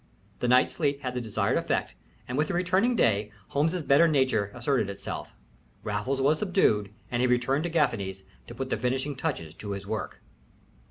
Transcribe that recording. The night's sleep had the desired effect, and with the returning day Holmes's better nature asserted itself. Raffles was subdued, and he returned to Gaffany's to put the finishing touches to his work.